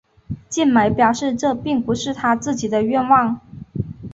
晋美表示这并不是他自己的愿望。